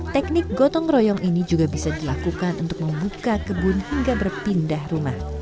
teknik gotong royong ini juga bisa dilakukan untuk membuka kebun hingga berpindah rumah